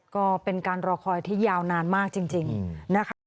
ก็เป็นการรอคอยที่ยาวนานมากจริงนะคะ